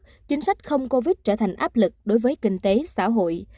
trong các nước chính sách không covid trở thành áp lực đối với kinh tế xã hội